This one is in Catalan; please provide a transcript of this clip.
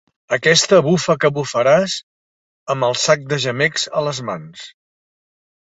Aquesta bufa que bufaràs amb el sac de gemecs a les mans.